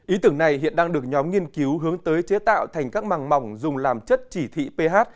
ý tưởng này hiện đang được nhóm nghiên cứu hướng tới chế tạo thành các màng mỏng dùng làm chất chỉ thị ph